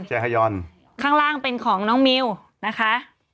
เจฮายอนข้างล่างเป็นของน้องมิวนะคะ